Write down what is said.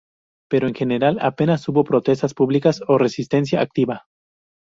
Pero en general a penas hubo protestas públicas o resistencia activa.